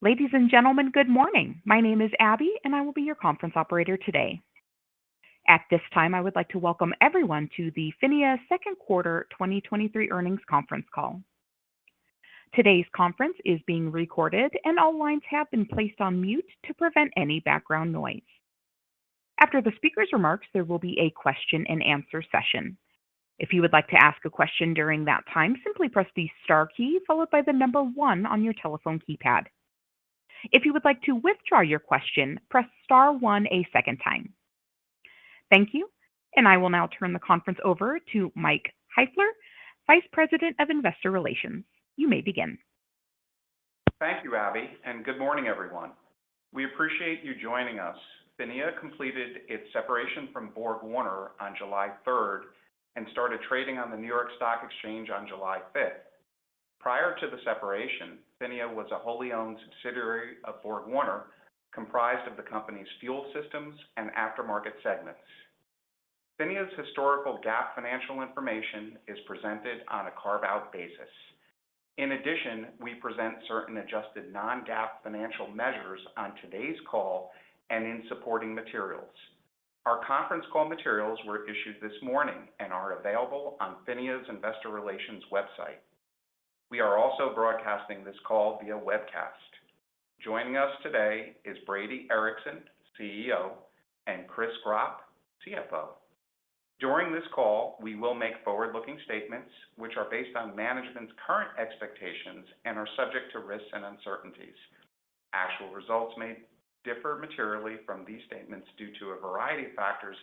Ladies and gentlemen, good morning. My name is Abby, and I will be your conference operator today. At this time, I would like to welcome everyone to the PHINIA Second Quarter 2023 Earnings Conference Call. Today's conference is being recorded, and all lines have been placed on mute to prevent any background noise. After the speaker's remarks, there will be a question and answer session. If you would like to ask a question during that time, simply press the star key followed by the number one on your telephone keypad. If you would like to withdraw your question, press star one a second time. Thank you, and I will now turn the conference over to Mike Heifler, Vice President of Investor Relations. You may begin. Thank you, Abby, and good morning, everyone. We appreciate you joining us. PHINIA completed its separation from BorgWarner on July 3 and started trading on the New York Stock Exchange on July 5. Prior to the separation, PHINIA was a wholly owned subsidiary of BorgWarner, comprised of the company's Fuel Systems and Aftermarket segments. PHINIA's historical GAAP financial information is presented on a carve-out basis. In addition, we present certain adjusted non-GAAP financial measures on today's call and in supporting materials. Our conference call materials were issued this morning and are available on PHINIA's Investor Relations website. We are also broadcasting this call via webcast. Joining us today is Brady Ericson, CEO, and Chris Gropp, CFO. During this call, we will make forward-looking statements which are based on management's current expectations and are subject to risks and uncertainties. Actual results may differ materially from these statements due to a variety of factors,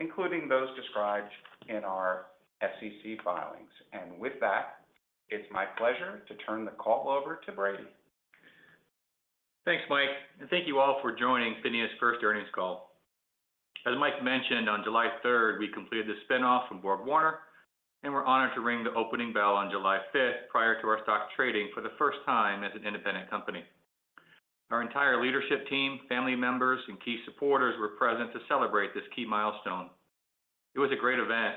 including those described in our SEC filings. With that, it's my pleasure to turn the call over to Brady. Thanks, Mike, and thank you all for joining PHINIA's first earnings call. As Mike mentioned, on July third, we completed the spin-off from BorgWarner, and we're honored to ring the opening bell on July fifth, prior to our stock trading for the first time as an independent company. Our entire leadership team, family members, and key supporters were present to celebrate this key milestone. It was a great event,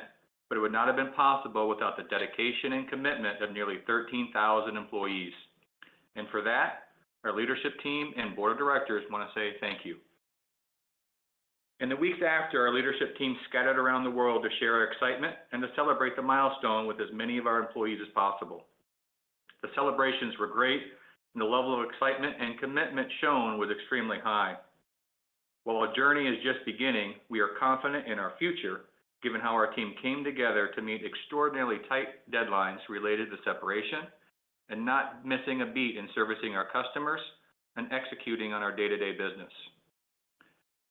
but it would not have been possible without the dedication and commitment of nearly 13,000 employees. For that, our leadership team and board of directors want to say thank you. In the weeks after, our leadership team scattered around the world to share our excitement and to celebrate the milestone with as many of our employees as possible. The celebrations were great, and the level of excitement and commitment shown was extremely high. While our journey is just beginning, we are confident in our future, given how our team came together to meet extraordinarily tight deadlines related to separation and not missing a beat in servicing our customers and executing on our day-to-day business.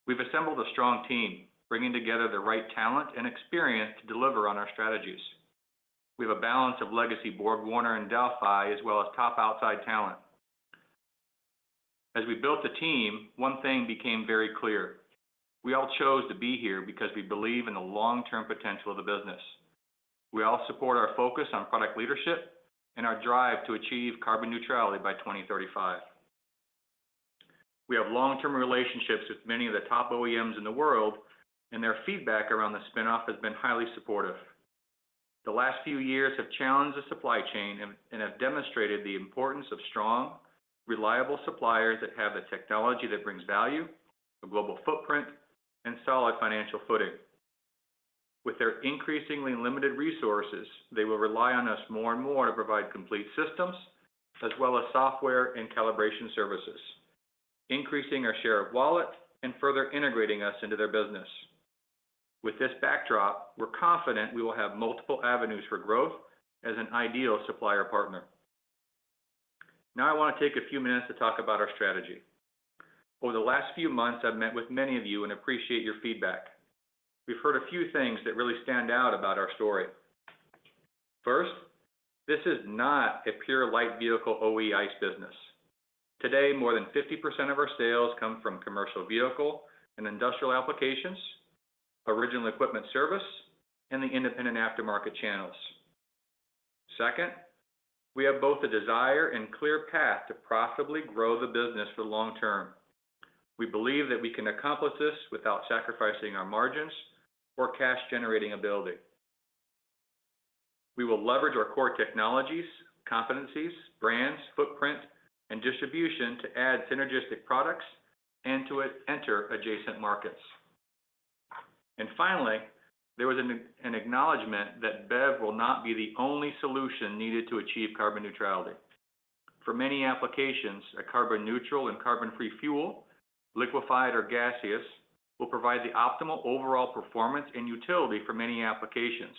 We've assembled a strong team, bringing together the right talent and experience to deliver on our strategies. We have a balance of legacy BorgWarner and Delphi, as well as top outside talent. As we built the team, one thing became very clear: We all chose to be here because we believe in the long-term potential of the business. We all support our focus on product leadership and our drive to achieve carbon neutrality by 2035. We have long-term relationships with many of the top OEMs in the world, and their feedback around the spin-off has been highly supportive. The last few years have challenged the supply chain and have demonstrated the importance of strong, reliable suppliers that have the technology that brings value, a global footprint, and solid financial footing. With their increasingly limited resources, they will rely on us more and more to provide complete systems, as well as software and calibration services, increasing our share of wallet and further integrating us into their business. With this backdrop, we're confident we will have multiple avenues for growth as an ideal supplier partner. Now, I want to take a few minutes to talk about our strategy. Over the last few months, I've met with many of you and appreciate your feedback. We've heard a few things that really stand out about our story. First, this is not a pure light vehicle OE ice business. Today, more than 50% of our sales come from commercial vehicle and industrial applications, original equipment service, and the independent Aftermarket channels. Second, we have both the desire and clear path to profitably grow the business for the long term. We believe that we can accomplish this without sacrificing our margins or cash-generating ability. We will leverage our core technologies, competencies, brands, footprint, and distribution to add synergistic products and to enter adjacent markets. Finally, there was an acknowledgment that BEV will not be the only solution needed to achieve carbon neutrality. For many applications, a carbon neutral and carbon-free fuel, liquefied or gaseous, will provide the optimal overall performance and utility for many applications,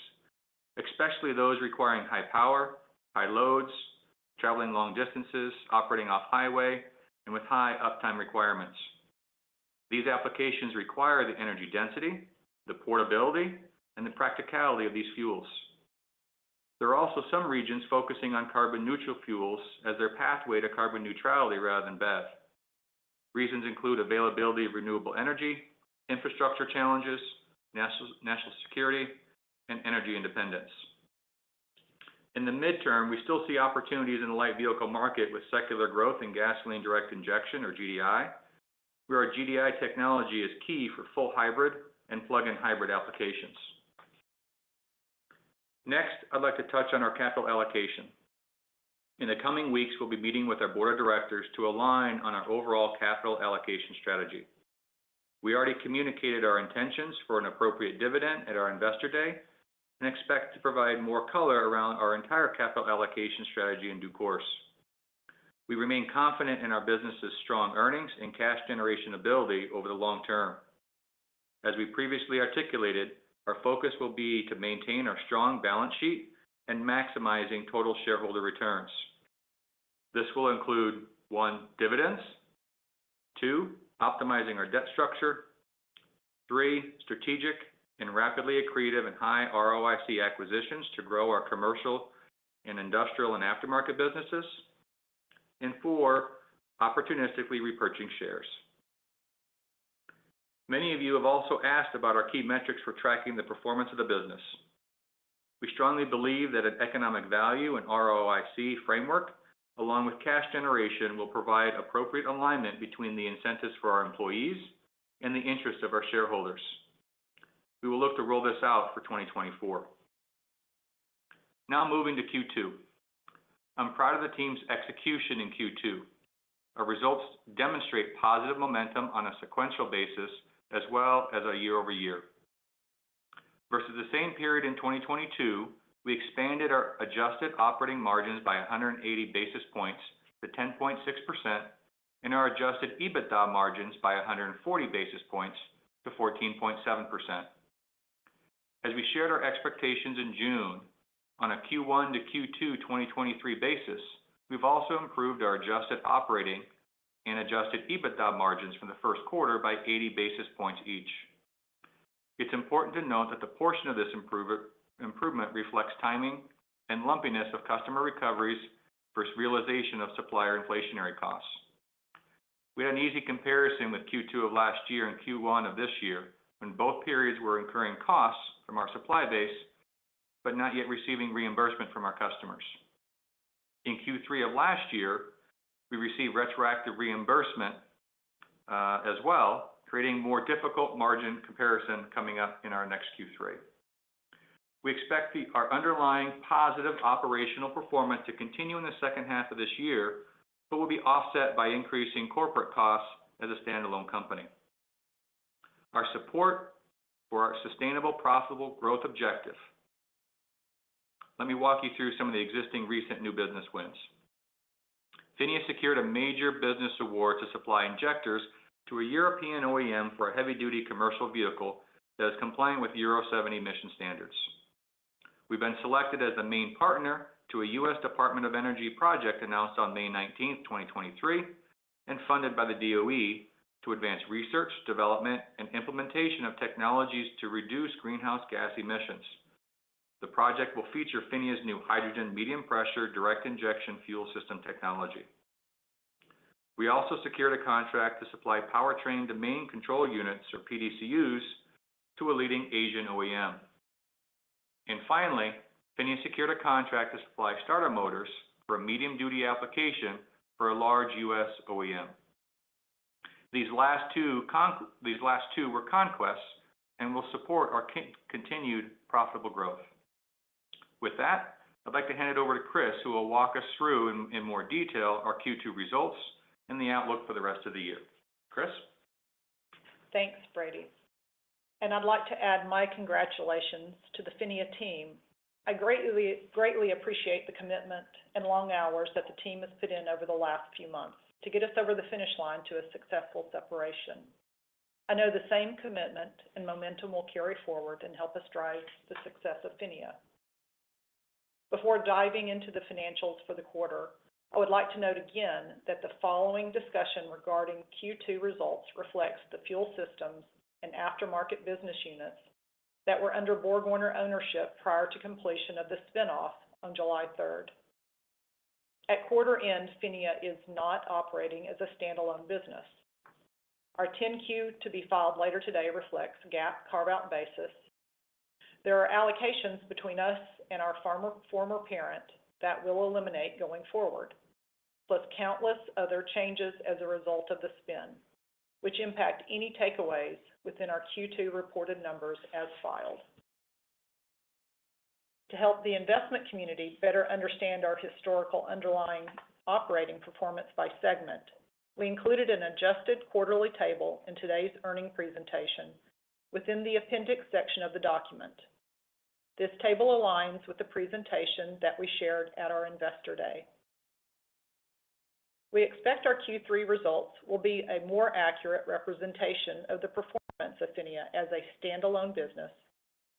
especially those requiring high power, high loads, traveling long distances, operating off-highway, and with high uptime requirements. These applications require the energy density, the portability, and the practicality of these fuels. There are also some regions focusing on carbon neutral fuels as their pathway to carbon neutrality rather than BEV. Reasons include availability of renewable energy, infrastructure challenges, national security, and energy independence. In the midterm, we still see opportunities in the light vehicle market with secular growth in gasoline direct injection, or GDI. Where our GDI technology is key for full hybrid and plug-in hybrid applications. Next, I'd like to touch on our capital allocation. In the coming weeks, we'll be meeting with our board of directors to align on our overall capital allocation strategy. We already communicated our intentions for an appropriate dividend at our Investor Day. Expect to provide more color around our entire capital allocation strategy in due course. We remain confident in our business's strong earnings and cash generation ability over the long term. As we previously articulated, our focus will be to maintain our strong balance sheet and maximizing total shareholder returns. This will include: one, dividends, two, optimizing our debt structure, three, strategic and rapidly accretive and high ROIC acquisitions to grow our commercial and industrial and Aftermarket businesses, four, opportunistically repurchasing shares. Many of you have also asked about our key metrics for tracking the performance of the business. We strongly believe that an economic value and ROIC framework, along with cash generation, will provide appropriate alignment between the incentives for our employees and the interests of our shareholders. We will look to roll this out for 2024. Now moving to Q2. I'm proud of the team's execution in Q2. Our results demonstrate positive momentum on a sequential basis, as well as a year-over-year. Versus the same period in 2022, we expanded our adjusted operating margins by 180 basis points to 10.6% and our adjusted EBITDA margins by 140 basis points to 14.7%. As we shared our expectations in June on a Q1 to Q2 2023 basis, we've also improved our adjusted operating and adjusted EBITDA margins from the first quarter by 80 basis points each. It's important to note that the portion of this improvement reflects timing and lumpiness of customer recoveries versus realization of supplier inflationary costs. We had an easy comparison with Q2 of last year and Q1 of this year, when both periods were incurring costs from our supply base, but not yet receiving reimbursement from our customers. In Q3 of last year, we received retroactive reimbursement as well, creating more difficult margin comparison coming up in our next Q3. We expect our underlying positive operational performance to continue in the second half of this year, but will be offset by increasing corporate costs as a standalone company. Our support for our sustainable, profitable growth objective. Let me walk you through some of the existing recent new business wins. PHINIA secured a major business award to supply injectors to a European OEM for a heavy-duty commercial vehicle that is compliant with Euro 7 emission standards. We've been selected as the main partner to a U.S. Department of Energy project announced on May 19, 2023, and funded by the DOE to advance research, development, and implementation of technologies to reduce greenhouse gas emissions. The project will feature PHINIA's new hydrogen medium-pressure direct injection fuel system technology. We also secured a contract to supply powertrain domain control units, or PDCUs, to a leading Asian OEM. Finally, PHINIA secured a contract to supply starter motors for a medium-duty application for a large U.S. OEM. These last two were conquests and will support our continued profitable growth. With that, I'd like to hand it over to Chris, who will walk us through in more detail our Q2 results and the outlook for the rest of the year. Chris? Thanks, Brady. I'd like to add my congratulations to the PHINIA team. I greatly, greatly appreciate the commitment and long hours that the team has put in over the last few months to get us over the finish line to a successful separation. I know the same commitment and momentum will carry forward and help us drive the success of PHINIA. Before diving into the financials for the quarter, I would like to note again that the following discussion regarding Q2 results reflects the Fuel Systems and Aftermarket business units that were under BorgWarner ownership prior to completion of the spin-off on July third. At quarter end, PHINIA is not operating as a standalone business. Our 10-Q to be filed later today reflects GAAP carve-out basis. There are allocations between us and our former, former parent that will eliminate going forward, plus countless other changes as a result of the spin, which impact any takeaways within our Q2 reported numbers as filed. To help the investment community better understand our historical underlying operating performance by segment, we included an adjusted quarterly table in today's earning presentation within the appendix section of the document. This table aligns with the presentation that we shared at our Investor Day. We expect our Q3 results will be a more accurate representation of the performance of PHINIA as a standalone business,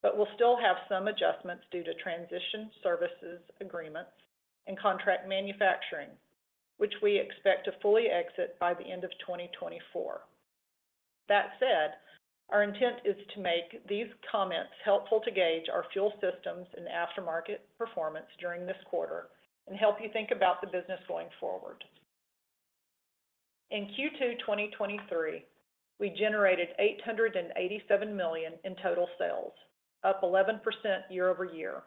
but will still have some adjustments due to transition services agreements and contract manufacturing, which we expect to fully exit by the end of 2024. That said, our intent is to make these comments helpful to gauge our Fuel Systems and Aftermarket performance during this quarter and help you think about the business going forward. In Q2 2023, we generated $887 million in total sales, up 11% year-over-year.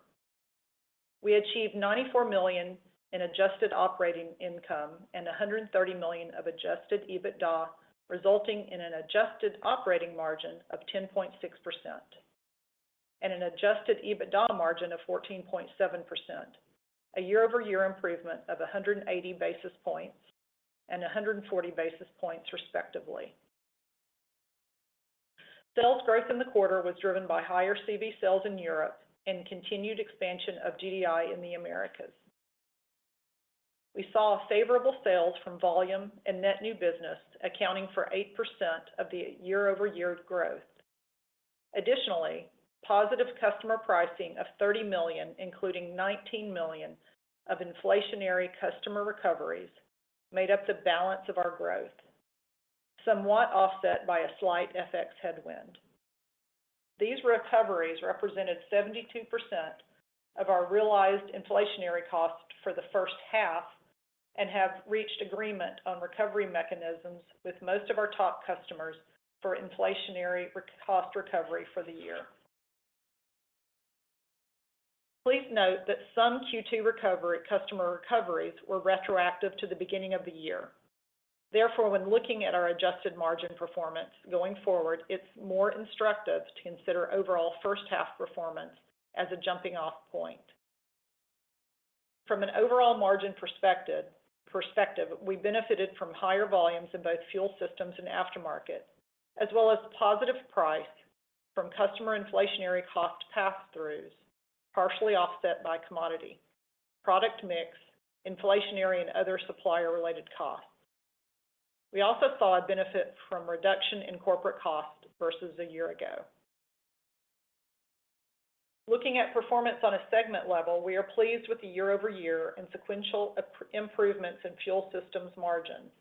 We achieved $94 million in adjusted operating income and $130 million of adjusted EBITDA, resulting in an adjusted operating margin of 10.6% and an adjusted EBITDA margin of 14.7%, a year-over-year improvement of 180 basis points and 140 basis points, respectively. Sales growth in the quarter was driven by higher CV sales in Europe and continued expansion of GDI in the Americas. We saw favorable sales from volume and net new business, accounting for 8% of the year-over-year growth. Additionally, positive customer pricing of $30 million, including $19 million of inflationary customer recoveries, made up the balance of our growth, somewhat offset by a slight FX headwind. These recoveries represented 72% of our realized inflationary cost for the first half, and have reached agreement on recovery mechanisms with most of our top customers for inflationary cost recovery for the year. Please note that some Q2 recovery, customer recoveries were retroactive to the beginning of the year. Therefore, when looking at our adjusted margin performance going forward, it's more instructive to consider overall first half performance as a jumping-off point. From an overall margin perspective, we benefited from higher volumes in both Fuel Systems and Aftermarket, as well as positive price from customer inflationary cost passthroughs, partially offset by commodity, product mix, inflationary, and other supplier-related costs. We also saw a benefit from reduction in corporate costs versus a year ago. Looking at performance on a segment level, we are pleased with the year-over-year and sequential improvements in Fuel Systems margins.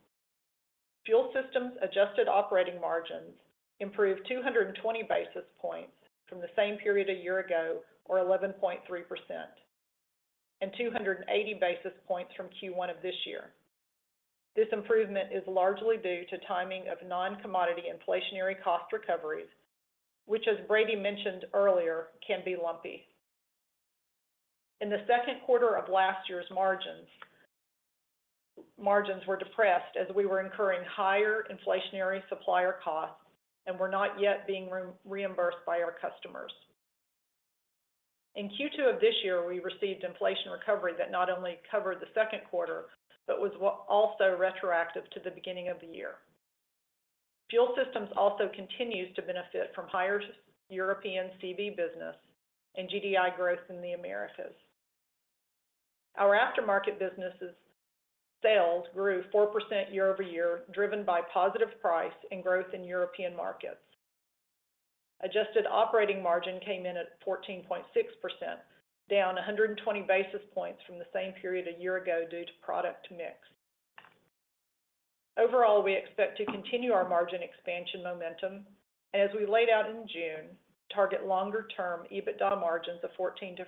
Fuel Systems adjusted operating margins improved 220 basis points from the same period a year ago, or 11.3%, and 280 basis points from Q1 of this year. This improvement is largely due to timing of non-commodity inflationary cost recoveries, which, as Brady mentioned earlier, can be lumpy. In the second quarter of last year's margins, margins were depressed as we were incurring higher inflationary supplier costs and were not yet being reimbursed by our customers. In Q2 of this year, we received inflation recovery that not only covered the second quarter, but was also retroactive to the beginning of the year. Fuel systems also continues to benefit from higher European CV business and GDI growth in the Americas. Our Aftermarket businesses' sales grew 4% year-over-year, driven by positive price and growth in European markets. Adjusted operating margin came in at 14.6%, down 120 basis points from the same period a year ago due to product mix. Overall, we expect to continue our margin expansion momentum as we laid out in June, target longer-term EBITDA margins of 14%-15%.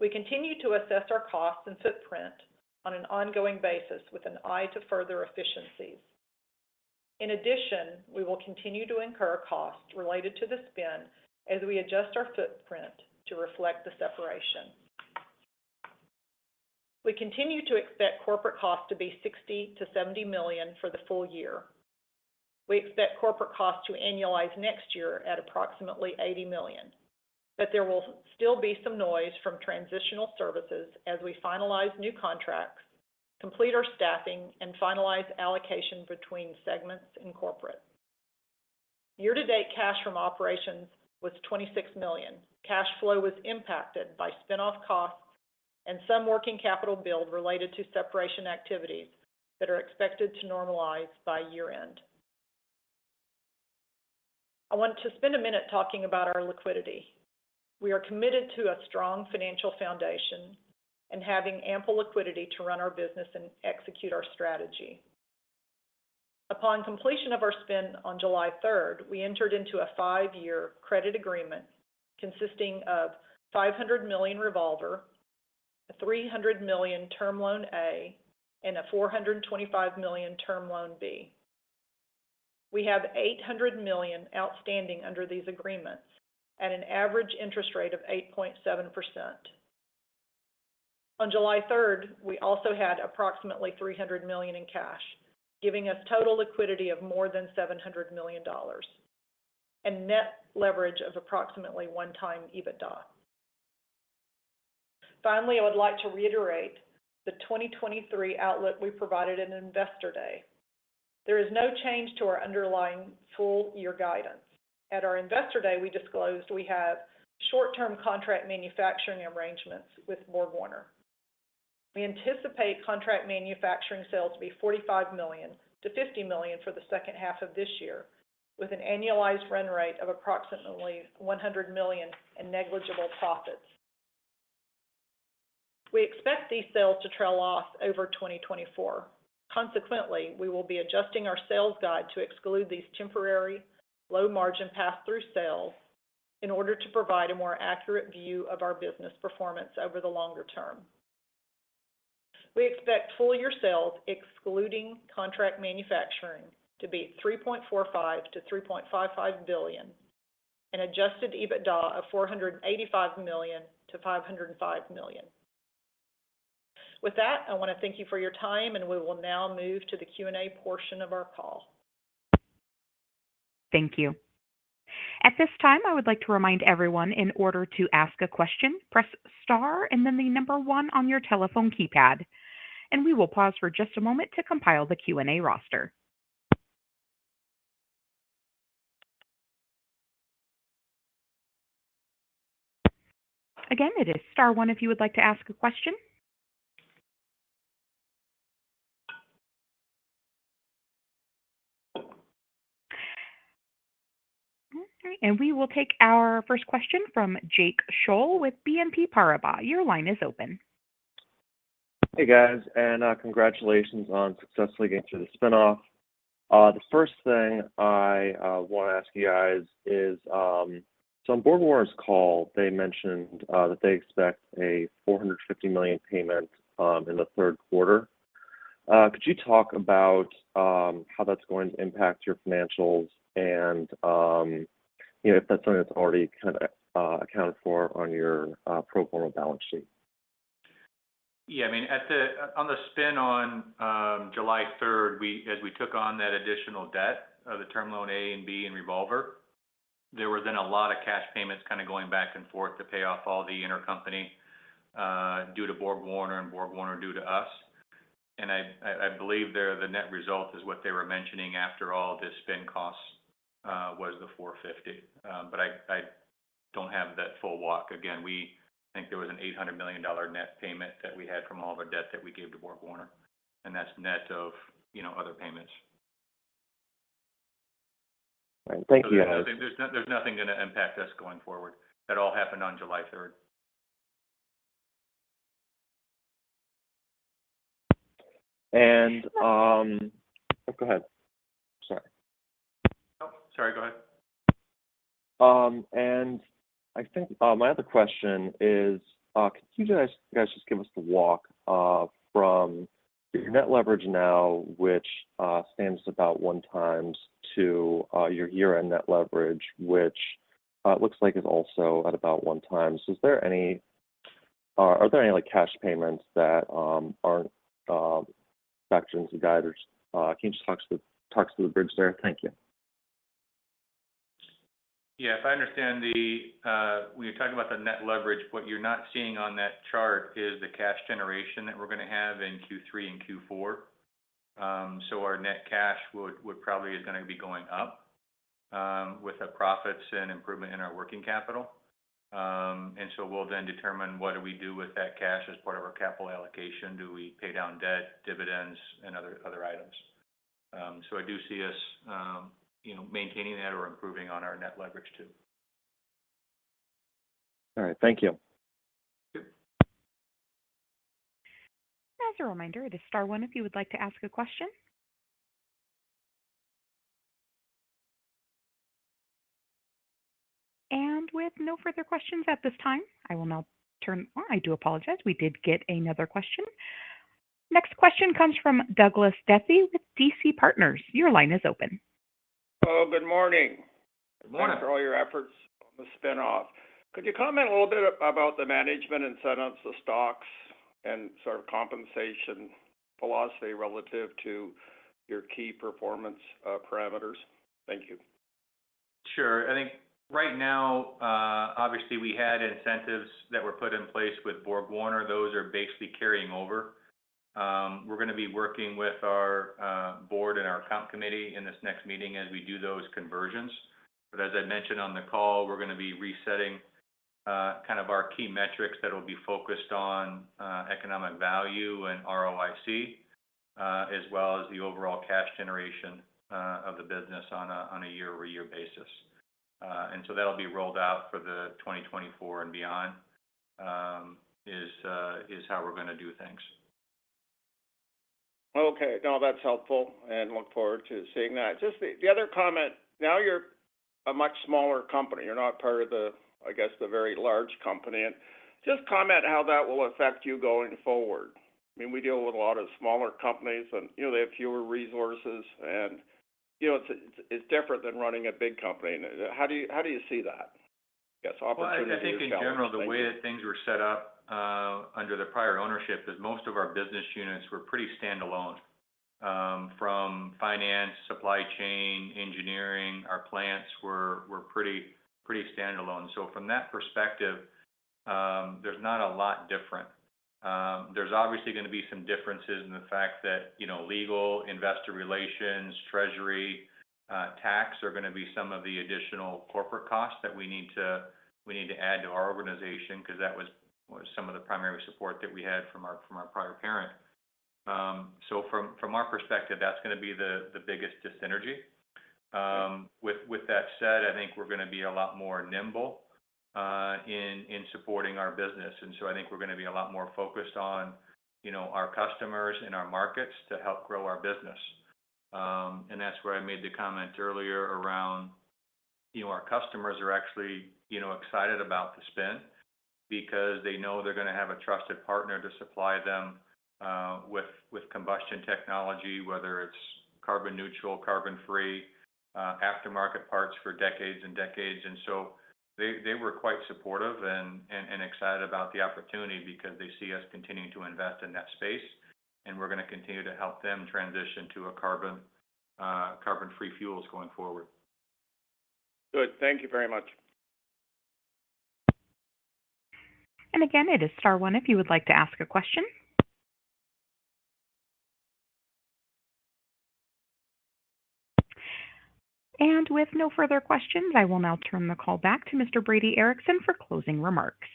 We continue to assess our costs and footprint on an ongoing basis with an eye to further efficiencies. In addition, we will continue to incur costs related to the spin as we adjust our footprint to reflect the separation. We continue to expect corporate costs to be $60 million-$70 million for the full year. We expect corporate costs to annualize next year at approximately $80 million, but there will still be some noise from transition services as we finalize new contracts, complete our staffing, and finalize allocation between segments and corporate. Year-to-date, cash from operations was $26 million. Cash flow was impacted by spin-off costs and some working capital build related to separation activities that are expected to normalize by year-end. I want to spend a minute talking about our liquidity. We are committed to a strong financial foundation and having ample liquidity to run our business and execute our strategy. Upon completion of our spin-off on July 3rd, we entered into a 5-year credit agreement consisting of $500 million revolver, a $300 million Term Loan A, and a $425 million Term Loan B. We have $800 million outstanding under these agreements at an average interest rate of 8.7%. On July third, we also had approximately $300 million in cash, giving us total liquidity of more than $700 million and net leverage of approximately 1x EBITDA. Finally, I would like to reiterate the 2023 outlook we provided in Investor Day. There is no change to our underlying full year guidance. At our Investor Day, we disclosed we have short-term contract manufacturing arrangements with BorgWarner. We anticipate contract manufacturing sales to be $45 million-$50 million for the second half of this year, with an annualized run rate of approximately $100 million in negligible profits. We expect these sales to trail off over 2024. Consequently, we will be adjusting our sales guide to exclude these temporary, low-margin pass-through sales in order to provide a more accurate view of our business performance over the longer term. ... We expect full-year sales, excluding contract manufacturing, to be $3.45 billion-$3.55 billion and adjusted EBITDA of $485 million-$505 million. With that, I want to thank you for your time, and we will now move to the Q&A portion of our call. Thank you. At this time, I would like to remind everyone, in order to ask a question, press Star and then the number one on your telephone keypad. We will pause for just a moment to compile the Q&A roster. Again, it is Star one if you would like to ask a question. We will take our first question from Jake Scholl with BNP Paribas. Your line is open. Hey, guys, congratulations on successfully getting through the spin-off. The first thing I want to ask you guys is on BorgWarner's call, they mentioned that they expect a $450 million payment in the third quarter. Could you talk about how that's going to impact your financials and, you know, if that's something that's already kinda accounted for on your pro forma balance sheet? Yeah, I mean, on the spin on July third, as we took on that additional debt of the Term Loan A and B and revolver, there were then a lot of cash payments kind of going back and forth to pay off all the intercompany due to BorgWarner and BorgWarner due to us. I believe there, the net result is what they were mentioning after all this spin costs was the $450 million. I don't have that full walk. Again, we think there was an $800 million net payment that we had from all the debt that we gave to BorgWarner, and that's net of, you know, other payments. All right. Thank you, guys. There's nothing gonna impact us going forward. That all happened on July third. Oh, go ahead. Sorry. Oh, sorry, go ahead. I think, my other question is, could you guys just give us the walk from your net leverage now, which stands about 1x, to your year-end net leverage, which looks like is also at about 1x? Are there any, like, cash payments that aren't factored into the guidance? Can you just talk us through the bridges there? Thank you. Yeah. If I understand the, when you're talking about the net leverage, what you're not seeing on that chart is the cash generation that we're gonna have in Q3 and Q4. Our net cash would, would probably is gonna be going up with the profits and improvement in our working capital. We'll then determine what do we do with that cash as part of our capital allocation. Do we pay down debt, dividends, and other, other items? I do see us, you know, maintaining that or improving on our net leverage too. All right. Thank you. Sure. As a reminder, it is star one if you would like to ask a question. With no further questions at this time, I will now turn... Oh, I do apologize. We did get another question. Next question comes from Douglas Doffee with DC Partners. Your line is open. Hello, good morning. Good morning. Thanks for all your efforts on the spin-off. Could you comment a little bit about the management incentive, the stocks, and sort of compensation philosophy relative to your key performance parameters? Thank you. Sure. I think right now, obviously, we had incentives that were put in place with BorgWarner. Those are basically carrying over. We're gonna be working with our board and our comp committee in this next meeting as we do those conversions. As I mentioned on the call, we're gonna be resetting kind of our key metrics that will be focused on economic value and ROIC, as well as the overall cash generation of the business on a year-over-year basis. So that'll be rolled out for the 2024 and beyond, is how we're gonna do things. Okay. No, that's helpful and look forward to seeing that. Just the, the other comment, now you're a much smaller company. You're not part of the, I guess, the very large company. Just comment how that will affect you going forward. I mean, we deal with a lot of smaller companies, and, you know, they have fewer resources, and, you know, it's, it's different than running a big company. How do you, how do you see that? I guess opportunity-. Well, I think in general, the way that things were set up under the prior ownership is most of our business units were pretty standalone. From finance, supply chain, engineering, our plants were pretty standalone. From that perspective, there's not a lot different. There's obviously gonna be some differences in the fact that, you know, legal, investor relations, treasury, tax are gonna be some of the additional corporate costs that we need to add to our organization because that was some of the primary support that we had from our prior parent. From our perspective, that's gonna be the biggest dissynergy. With that said, I think we're gonna be a lot more nimble in supporting our business. I think we're gonna be a lot more focused on, you know, our customers and our markets to help grow our business. That's where I made the comment earlier around, you know, our customers are actually, you know, excited about the spin because they know they're gonna have a trusted partner to supply them with, with combustion technology, whether it's carbon neutral, carbon-free, aftermarket parts for decades and decades. They, they were quite supportive and, and, and excited about the opportunity because they see us continuing to invest in that space, and we're gonna continue to help them transition to a carbon, carbon-free fuels going forward. Good. Thank you very much. Again, it is star one if you would like to ask a question. With no further questions, I will now turn the call back to Mr. Brady Ericson for closing remarks.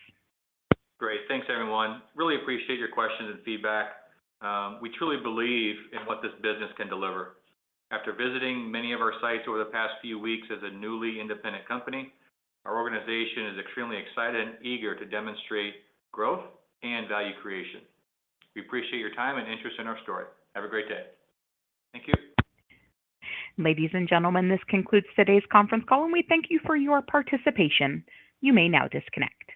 Great. Thanks, everyone. Really appreciate your questions and feedback. We truly believe in what this business can deliver. After visiting many of our sites over the past few weeks as a newly independent company, our organization is extremely excited and eager to demonstrate growth and value creation. We appreciate your time and interest in our story. Have a great day. Thank you. Ladies and gentlemen, this concludes today's conference call, and we thank you for your participation. You may now disconnect.